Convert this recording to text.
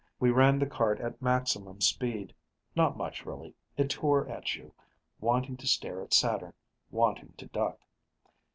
We ran, the cart at maximum speed not much, really. It tore at you, wanting to stare at Saturn, wanting to duck.